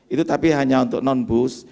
itu tapi hanya untuk non bus